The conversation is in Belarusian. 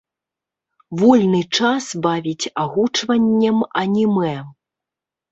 Вольны час бавіць агучваннем анімэ.